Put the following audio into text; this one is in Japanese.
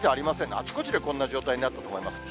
あちこちでこんな状態になったと思います。